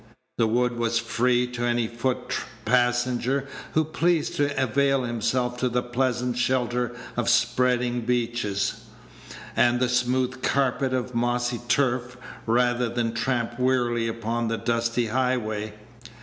The wood was free to any foot passenger who pleased to avail himself of the pleasant shelter of spreading beeches, and the smooth carpet of mossy turf, rather than tramp wearily upon the dusty highway.